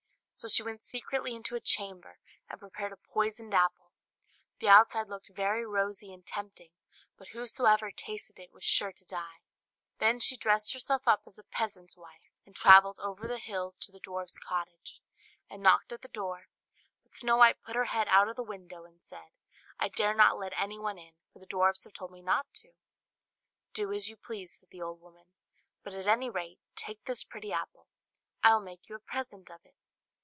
So she went secretly into a chamber, and prepared a poisoned apple; the outside looked very rosy and tempting, but whosoever tasted it was sure to die. Then she dressed herself up as a peasant's wife, and travelled over the hills to the dwarfs' cottage, and knocked at the door; but Snow White put her head out of the window, and said, "I dare not let anyone in, for the dwarfs have told me not to." "Do as you please," said the old woman, "but at any rate take this pretty apple; I will make you a present of it."